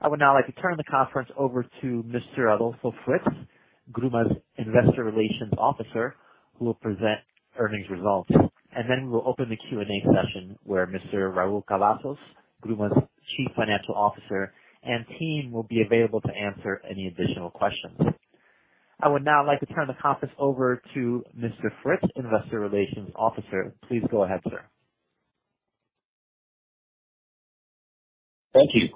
I would now like to turn the conference over to Mr. Adolfo Fritz, GRUMA's Investor Relations Officer, who will present earnings results. And then we'll open the Q&A session, where Mr. Raúl Cavazos, GRUMA's Chief Financial Officer, and team will be available to answer any additional questions. I would now like to turn the conference over to Mr. Fritz, Investor Relations Officer. Please go ahead, sir. Thank you.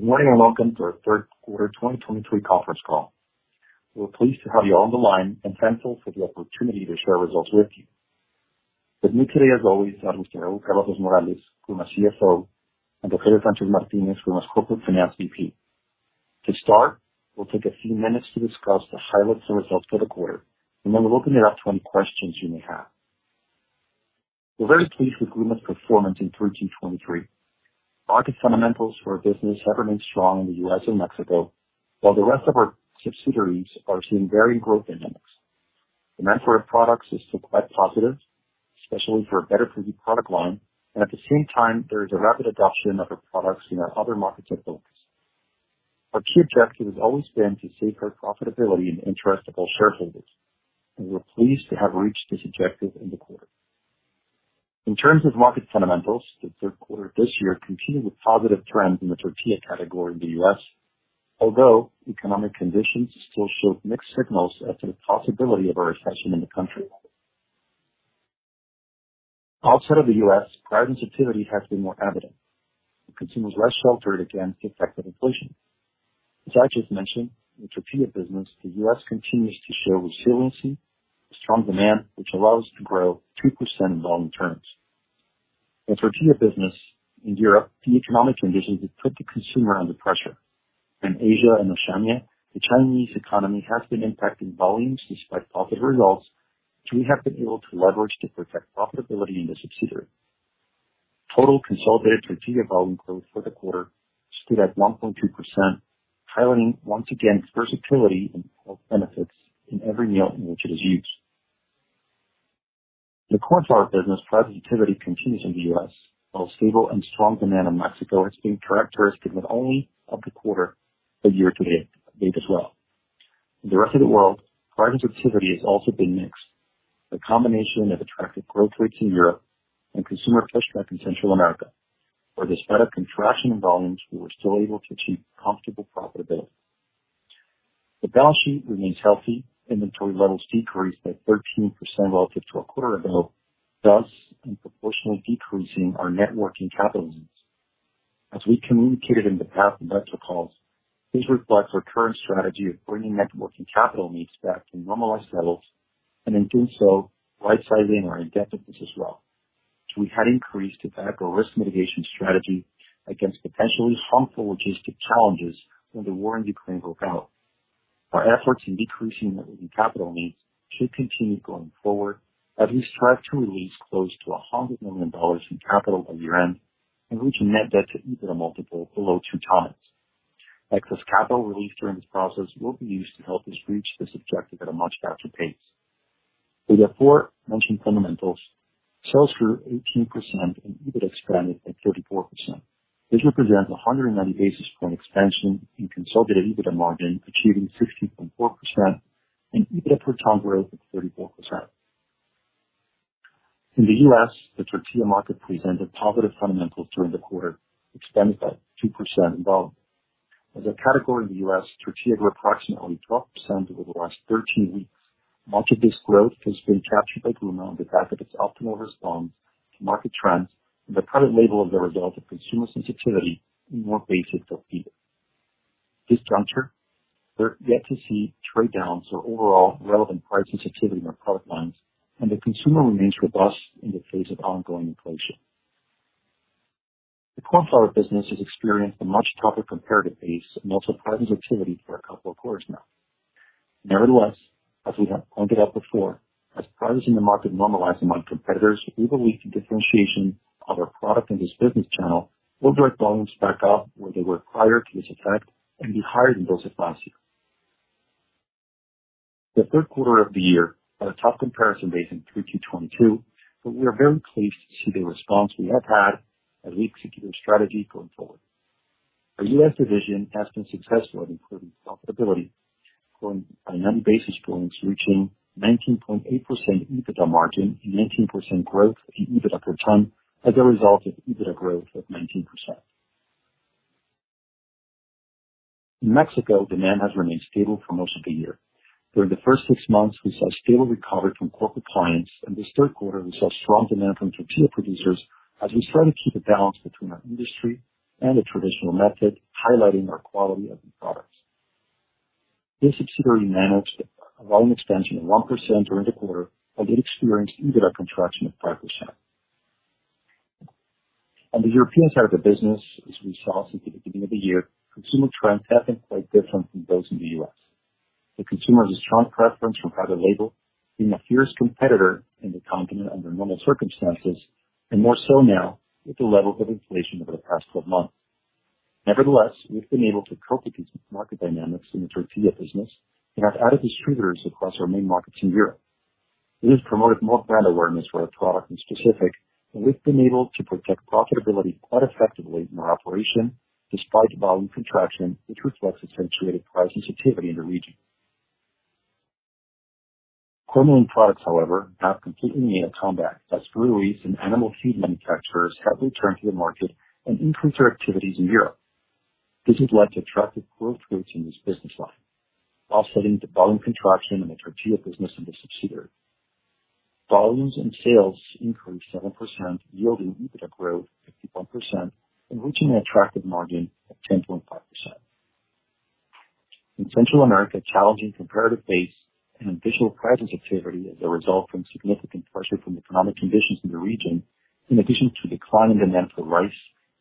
Good morning, and welcome to our third quarter 2023 conference call. We're pleased to have you on the line and thankful for the opportunity to share our results with you. With me today, as always, is Mr. Raúl Cavazos Morales, GRUMA's CFO, and Rogelio Sánchez Martínez, GRUMA's Corporate Finance VP. To start, we'll take a few minutes to discuss the highlights and results for the quarter, and then we'll open it up to any questions you may have. We're very pleased with GRUMA's performance in 3Q 2023. Market fundamentals for our business have remained strong in the U.S. and Mexico, while the rest of our subsidiaries are seeing varying growth dynamics. Demand for our products is still quite positive, especially for our Better For You product line, and at the same time, there is a rapid adoption of our products in our other markets of focus. Our key objective has always been to safeguard profitability and interest of all shareholders, and we're pleased to have reached this objective in the quarter. In terms of market fundamentals, the third quarter of this year continued the positive trend in the tortilla category in the U.S., although economic conditions still showed mixed signals as to the possibility of a recession in the country. Outside of the U.S., price sensitivity has been more evident, with consumers less sheltered against the effect of inflation. As I just mentioned, in the tortilla business, the U.S. continues to show resiliency and strong demand, which allows us to grow 2% in volume terms. In tortilla business in Europe, the economic conditions have put the consumer under pressure. In Asia and Oceania, the Chinese economy has been impacting volumes despite positive results, which we have been able to leverage to protect profitability in the subsidiary. Total consolidated tortilla volume growth for the quarter stood at 1.2%, highlighting once again, its versatility and health benefits in every meal in which it is used. In the corn flour business, price sensitivity continues in the U.S., while stable and strong demand in Mexico has been characteristic not only of the quarter but year-to-date as well. In the rest of the world, price sensitivity has also been mixed. The combination of attractive growth rates in Europe and consumer pushback in Central America, where despite a contraction in volumes, we were still able to achieve comfortable profitability. The balance sheet remains healthy. Inventory levels decreased by 13% relative to a quarter ago, thus disproportionately decreasing our net working capital needs. As we communicated in the past investor calls, this reflects our current strategy of bringing net working capital needs back to normalized levels, and in doing so, right-sizing our indebtedness as well. We had increased to back our risk mitigation strategy against potentially harmful logistic challenges when the war in Ukraine broke out. Our efforts in decreasing working capital needs should continue going forward, as we strive to release close to $100 million in capital by year-end and reach a net debt to EBITDA multiple below 2x. Excess capital released during this process will be used to help us reach this objective at a much faster pace. With the aforementioned fundamentals, sales grew 18% and EBITDA expanded by 34%. This represents 190 basis points expansion in consolidated EBITDA margin, achieving 16.4% and EBITDA per ton growth of 34%. In the U.S., the tortilla market presented positive fundamentals during the quarter, expanded by 2% in volume. As a category in the U.S., tortilla grew approximately 12% over the last 13 weeks. Much of this growth has been captured by GRUMA on the back of its optimal response to market trends and the private label of the result of consumer sensitivity in more basic tortilla. This juncture, we're yet to see trade downs or overall relevant price sensitivity in our product lines, and the consumer remains robust in the face of ongoing inflation. The corn flour business has experienced a much tougher comparative base and also price sensitivity for a couple of quarters now. Nevertheless, as we have pointed out before, as prices in the market normalize among competitors, we believe the differentiation of our product in this business channel will drive volumes back up where they were prior to this effect and be higher than those of last year. The third quarter of the year had a tough comparison base in 3Q 2022, but we are very pleased to see the response we have had as we execute our strategy going forward. Our U.S. division has been successful at improving profitability, growing by 90 basis points, reaching 19.8% EBITDA margin and 19% growth in EBITDA per ton as a result of EBITDA growth of 19%. In Mexico, demand has remained stable for most of the year. During the first six months, we saw stable recovery from corporate clients, and this third quarter, we saw strong demand from tortilla producers as we try to keep a balance between our industry and the traditional method, highlighting our quality of the products. This subsidiary managed a volume expansion of 1% during the quarter and yet experienced EBITDA contraction of 5%. On the European side of the business, as we saw since the beginning of the year, consumer trends have been quite different from those in the U.S. The consumer has a strong preference for private label, being the fierce competitor in the continent under normal circumstances, and more so now with the levels of inflation over the past 12 months. Nevertheless, we've been able to cope with these market dynamics in the tortilla business and have added distributors across our main markets in Europe.... It has promoted more brand awareness for our product in specific, and we've been able to protect profitability quite effectively in our operation despite volume contraction, which reflects accentuated price sensitivity in the region. Corn milling products, however, have completely made a comeback as breweries and animal feed manufacturers have returned to the market and increased their activities in Europe. This has led to attractive growth rates in this business line while setting the volume contraction in the tortilla business in the subsidiary. Volumes and sales increased 7%, yielding EBITDA growth 51% and reaching an attractive margin of 10.5%. In Central America, challenging comparative base and additional price sensitivity as a result from significant pressure from economic conditions in the region, in addition to declining demand for rice,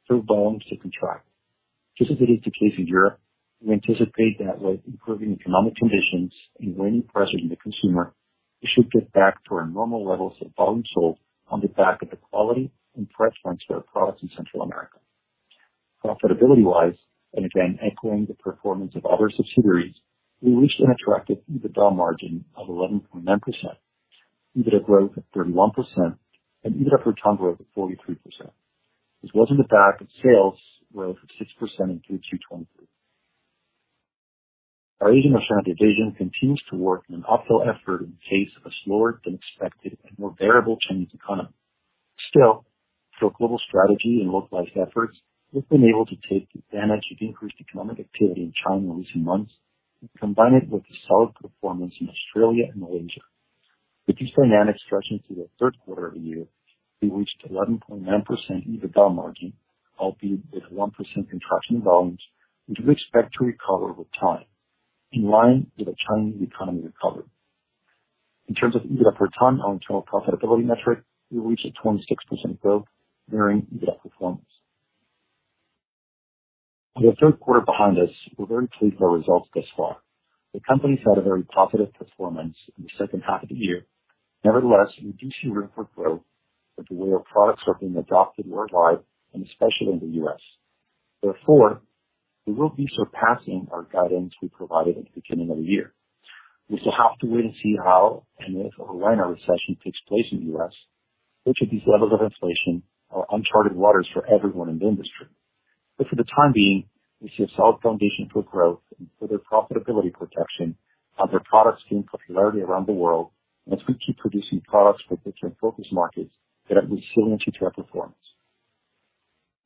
drove volumes to contract. Just as it is the case in Europe, we anticipate that with improving economic conditions and waning pressure on the consumer, we should get back to our normal levels of volume sold on the back of the quality and price points for our products in Central America. Profitability-wise, and again, echoing the performance of other subsidiaries, we reached an attractive EBITDA margin of 11.9%, EBITDA growth of 31% and EBITDA per ton growth of 43%. This was on the back of sales growth of 6% in Q2 2023. Our Asian-Oceania division continues to work in an uphill effort in the face of a slower than expected and more variable Chinese economy. Still, through a global strategy and localized efforts, we've been able to take advantage of increased economic activity in China in recent months and combine it with a solid performance in Australia and Malaysia. With this dynamic stretching through the third quarter of the year, we reached 11.9% EBITDA margin, albeit with a 1% contraction in volumes, which we expect to recover with time, in line with the Chinese economy recovery. In terms of EBITDA per ton, our internal profitability metric, we reached a 26% growth, mirroring EBITDA performance. With the third quarter behind us, we're very pleased with our results thus far. The company's had a very positive performance in the second half of the year. Nevertheless, we do see room for growth with the way our products are being adopted worldwide and especially in the U.S. Therefore, we will be surpassing our guidance we provided at the beginning of the year. We still have to wait and see how and if or when a recession takes place in the U.S. Each of these levels of inflation are uncharted waters for everyone in the industry. But for the time being, we see a solid foundation for growth and further profitability protection of our products' gain popularity around the world as we keep producing products for different focus markets that add resiliency to our performance.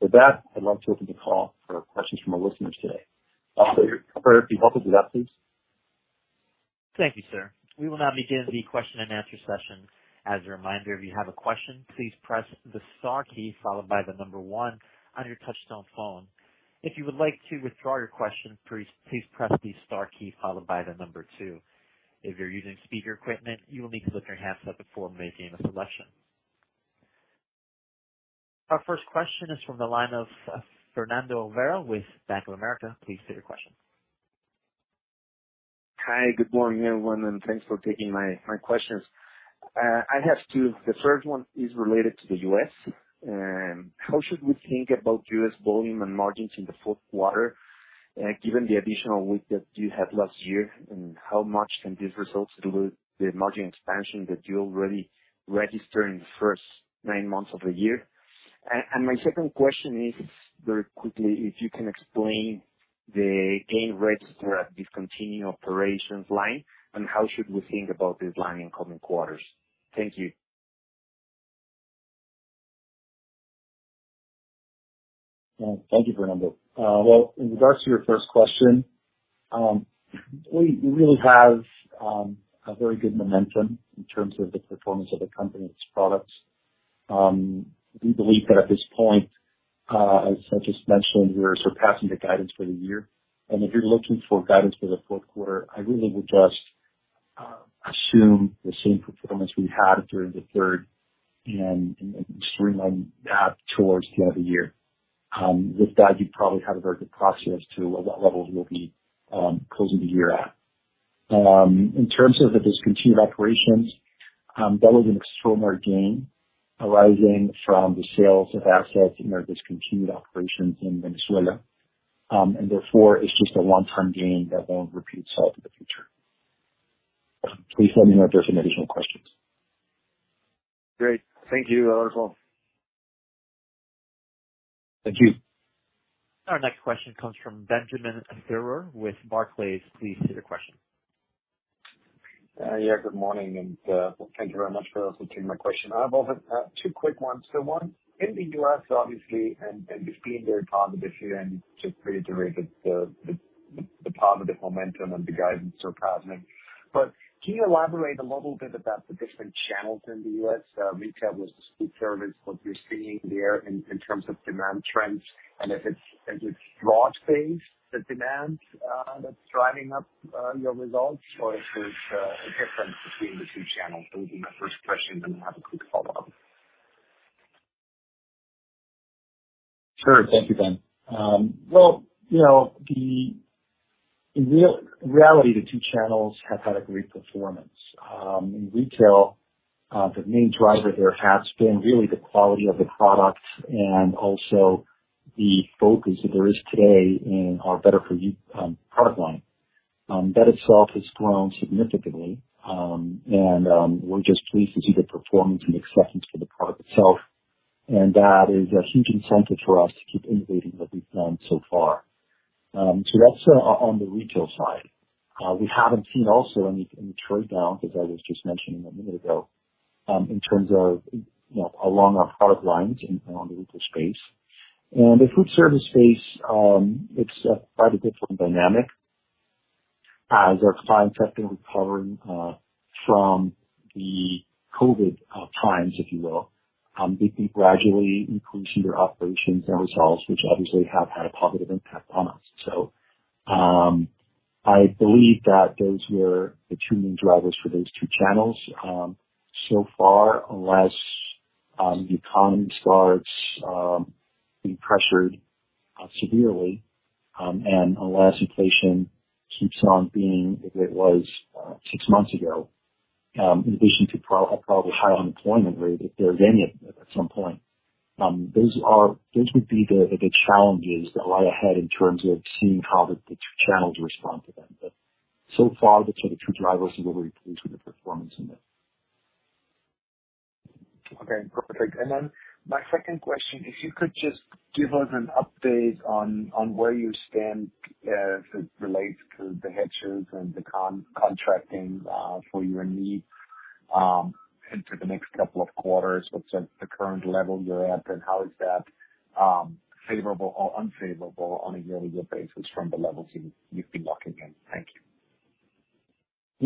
With that, I'd love to open the call for questions from our listeners today. Operator, be helpful with that, please. Thank you, sir. We will now begin the question and answer session. As a reminder, if you have a question, please press the star key followed by the number one on your touchtone phone. If you would like to withdraw your question, please, please press the star key followed by the number two. If you're using speaker equipment, you will need to lift your handset before making a selection. Our first question is from the line of Fernando Olvera with Bank of America. Please state your question. Hi, good morning, everyone, and thanks for taking my questions. I have two. The first one is related to the U.S. How should we think about U.S. volume and margins in the fourth quarter, given the additional week that you had last year? And how much can these results dilute the margin expansion that you already registered in the first nine months of the year? And my second question is, very quickly, if you can explain the gain registered at discontinued operations line and how should we think about this line in coming quarters? Thank you. Thank you, Fernando. Well, in regards to your first question, we really have a very good momentum in terms of the performance of the company and its products. We believe that at this point, as I just mentioned, we are surpassing the guidance for the year. And if you're looking for guidance for the fourth quarter, I really would just assume the same performance we had during the third and streamline that towards the end of the year. With that, you probably have a very good proxy as to what levels we'll be closing the year at. In terms of the discontinued operations, that was an extraordinary gain arising from the sales of assets in our discontinued operations in Venezuela. And therefore, it's just a one-time gain that won't repeat itself in the future. Please let me know if there's any additional questions. Great. Thank you, Adolfo. Thank you. Our next question comes from Benjamin Theurer with Barclays. Please state your question. Yeah, good morning, and thank you very much for also taking my question. I have also two quick ones. So one, in the U.S., obviously, and it's been very positive this year, and just reiterate the positive momentum and the guidance surpassing. But can you elaborate a little bit about the different channels in the U.S., retail versus food service, what you're seeing there in terms of demand trends? And if it's broad-based, the demand that's driving up your results, or if there's a difference between the two channels? That would be my first question, then I have a quick follow-up. Sure. Thank you, Ben. Well, you know, the reality, the two channels have had a great performance. In retail, the main driver there has been really the quality of the product and also the focus that there is today in our Better For You product line. That itself has grown significantly, and we're just pleased to see the performance and acceptance for the product itself. And that is a huge incentive for us to keep innovating what we've done so far. So that's on the retail side. We haven't seen also any trade down, as I was just mentioning a minute ago, in terms of, you know, along our product lines in on the retail space. The food service space, it's quite a different dynamic as our clients have been recovering from the COVID times, if you will. They've been gradually increasing their operations and results, which obviously have had a positive impact on us. I believe that those were the two main drivers for those two channels. So far, unless the economy starts being pressured severely, and unless inflation keeps on being as it was six months ago, in addition to probably high unemployment rate, if there's any of it at some point, those would be the challenges that lie ahead in terms of seeing how the two channels respond to them. But so far, those are the two drivers, and we're very pleased with the performance in them. Okay, perfect. Then my second question, if you could just give us an update on where you stand as it relates to the hedges and the contracting for your needs into the next couple of quarters. What's the current level you're at, and how is that favorable or unfavorable on a year-over-year basis from the levels you've been locking in? Thank you.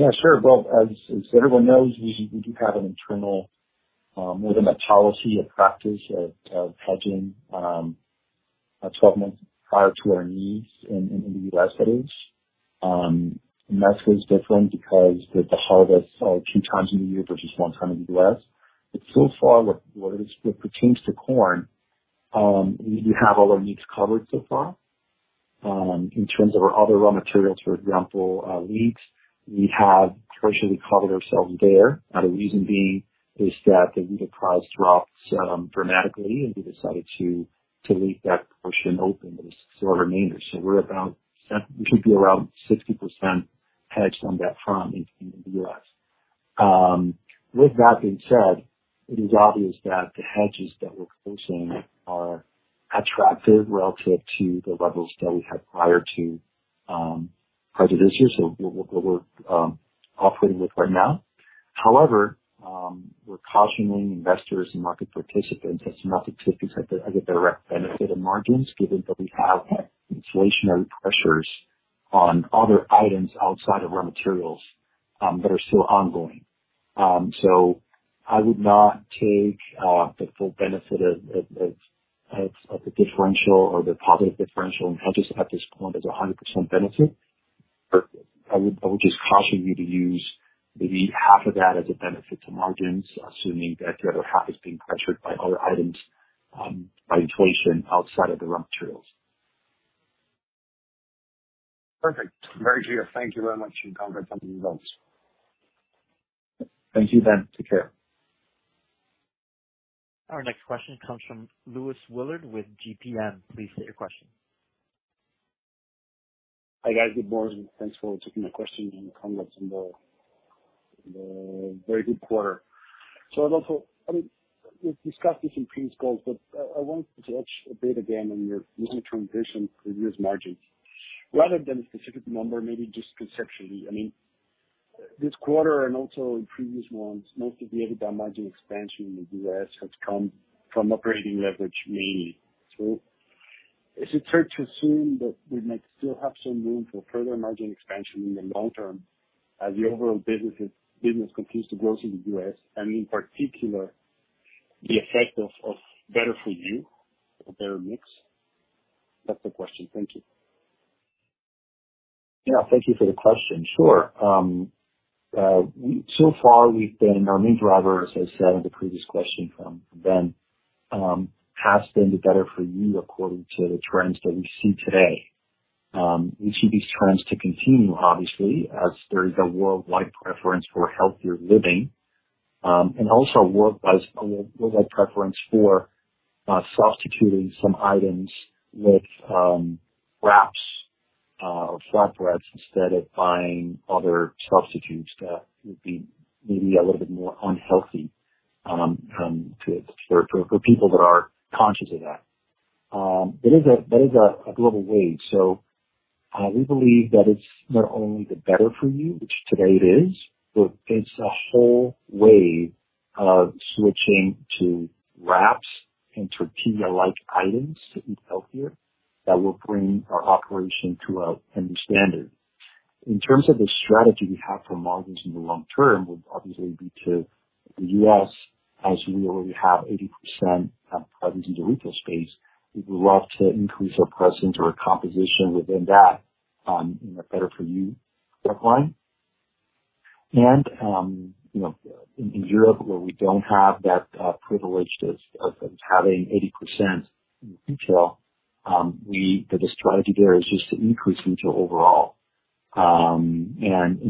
Yeah, sure. Well, as everyone knows, we do have an internal, more than a policy, a practice of hedging 12 months prior to our needs in the U.S. that is. Mexico is different because with the harvest 2 times in a year versus 1 time in the U.S. But so far, what pertains to corn, we have all our needs covered so far. In terms of our other raw materials, for example, wheat, we have partially covered ourselves there. Now, the reason being is that the wheat price dropped dramatically, and we decided to leave that portion open, the still remainder. So we're about—we should be around 60% hedged on that front in the U.S. With that being said, it is obvious that the hedges that we're closing are attractive relative to the levels that we had prior to, prior to this year, so what we're operating with right now. However, we're cautioning investors and market participants that it's not to at the, at the direct benefit of margins, given that we have inflationary pressures on other items outside of raw materials that are still ongoing. So I would not take the full benefit of the differential or the positive differential in hedges at this point as a 100% benefit. But I would just caution you to use maybe half of that as a benefit to margins, assuming that the other half is being pressured by other items, by inflation outside of the raw materials. Perfect. Rogelio, thank you very much, and congrats on the results. Thank you, Ben. Take care. Our next question comes from Luis Willard with GBM. Please state your question. Hi, guys. Good morning, thanks for taking my questions and congrats on the very good quarter. So Adolfo... I mean, we've discussed this in previous calls, but I want to touch a bit again on your long-term vision for the U.S. margins. Rather than a specific number, maybe just conceptually. I mean, this quarter and also in previous ones, most of the EBITDA margin expansion in the U.S. has come from operating leverage, mainly. So is it fair to assume that we might still have some room for further margin expansion in the long term as the overall businesses- business continues to grow in the U.S., and in particular, the effect of Better For You or better mix? That's the question. Thank you. Yeah. Thank you for the question. Sure. So far we've been our main drivers, as I said in the previous question from Ben, has been the Better For You, according to the trends that we see today. We see these trends to continue, obviously, as there is a worldwide preference for healthier living, and also a world, a world preference for substituting some items with wraps or flatbreads, instead of buying other substitutes that would be maybe a little bit more unhealthy, for people that are conscious of that. That is a global wave. We believe that it's not only the Better For You, which today it is, but it's a whole wave of switching to wraps and tortilla-like items to eat healthier that will bring our operation to a handy standard. In terms of the strategy we have for margins in the long term, would obviously be to the U.S., as we already have 80% presence in the retail space. We would love to increase our presence or composition within that, in our Better For You product line. You know, in Europe, where we don't have that privilege as having 80% in retail, the strategy there is just to increase retail overall. In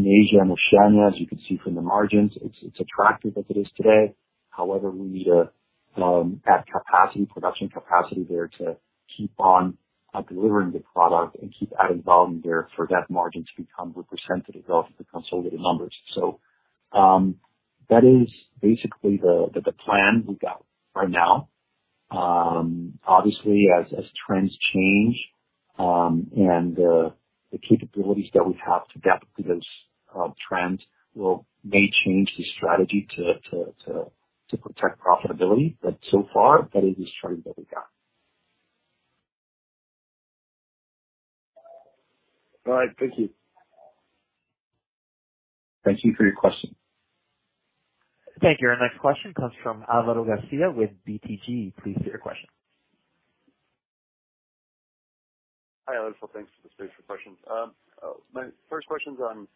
Asia and Oceania, as you can see from the margins, it's attractive as it is today. However, we need to add capacity, production capacity there to keep on delivering the product and keep adding volume there for that margin to become representative of the consolidated numbers. So, that is basically the plan we got right now. Obviously, as trends change, and the capabilities that we have to adapt to those trends may change the strategy to protect profitability, but so far, that is the strategy that we got. All right. Thank you. Thank you for your question. Thank you. Our next question comes from Alvaro Garcia with BTG. Please state your question. Hi, Adolfo. So thanks for the space for questions. My first question is on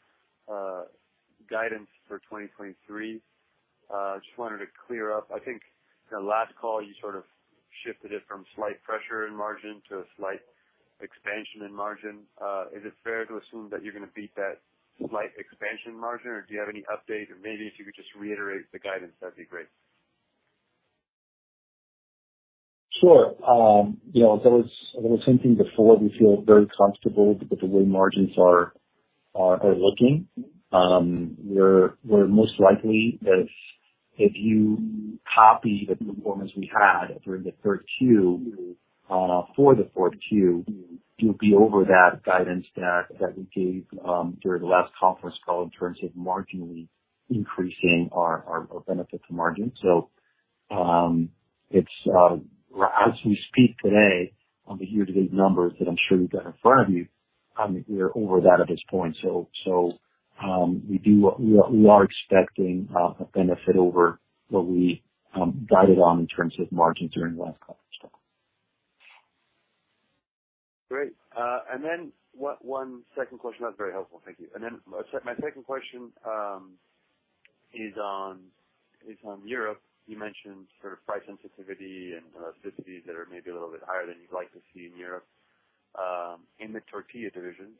guidance for 2023. Just wanted to clear up. I think in the last call, you sort of shifted it from slight pressure in margin to a slight expansion in margin. Is it fair to assume that you're gonna beat that slight expansion margin, or do you have any update? Or maybe if you could just reiterate the guidance, that'd be great. Sure. You know, that was something before. We feel very comfortable with the way margins are looking. We're most likely that if you copy the performance we had during the third Q for the fourth Q, you'll be over that guidance that we gave during the last conference call in terms of marginally increasing our EBITDA margin. So, it's as we speak today, on the year-to-date numbers that I'm sure you've got in front of you. I mean, we're over that at this point. So, we are expecting a benefit over what we guided on in terms of margins during the last conference call. Great. And then one second question. That's very helpful. Thank you. And then my second question is on Europe. You mentioned sort of price sensitivity and inventories that are maybe a little bit higher than you'd like to see in Europe in the tortilla division.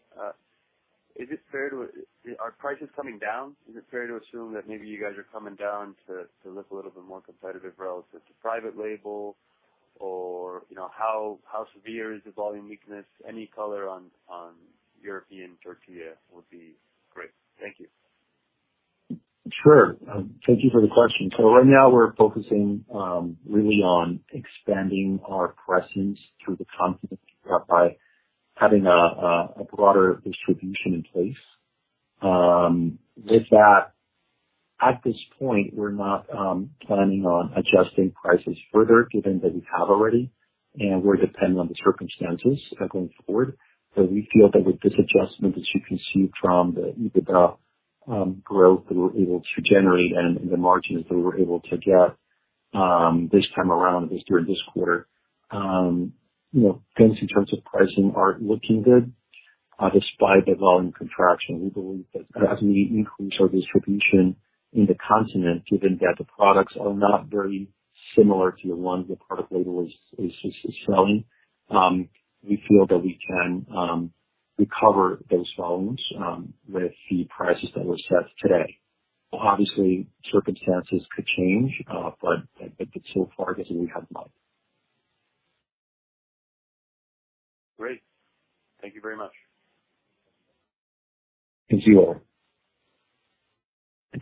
Is it fair to... Are prices coming down? Is it fair to assume that maybe you guys are coming down to look a little bit more competitive relative to private label? Or, you know, how severe is the volume weakness? Any color on European tortilla would be great. Thank you. Sure. Thank you for the question. So right now, we're focusing really on expanding our presence through the continent by having a broader distribution in place. With that, at this point, we're not planning on adjusting prices further, given that we have already, and we're dependent on the circumstances going forward. But we feel that with this adjustment that you can see from the EBITDA growth that we were able to generate and the margins that we were able to get this time around, at least during this quarter, you know, things in terms of pricing are looking good despite the volume contraction. We believe that as we increase our distribution in the continent, given that the products are not very similar to the ones the private label is selling, we feel that we can recover those volumes with the prices that were set today. Obviously, circumstances could change, but so far, this is where we have been. Great. Thank you very much. Thank you all.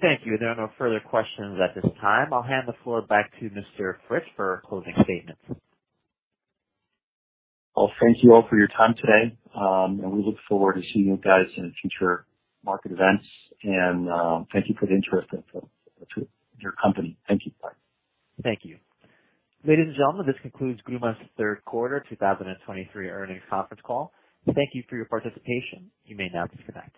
Thank you. There are no further questions at this time. I'll hand the floor back to Mr. Fritz for closing statements. Well, thank you all for your time today, and we look forward to seeing you guys in future market events. Thank you for the interest in our company. Thank you. Bye. Thank you. Ladies and gentlemen, this concludes GRUMA's third quarter 2023 earnings conference call. Thank you for your participation. You may now disconnect.